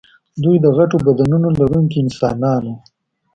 دوی د غټو بدنونو لرونکي انسانان وو.